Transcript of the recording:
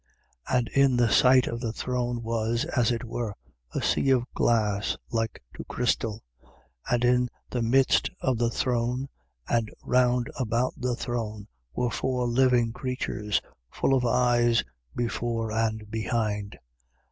4:6. And in the sight of the throne was, as it were, a sea of glass like to crystal: and in the midst of the throne, and round about the throne, were four living creatures, full of eyes before and behind.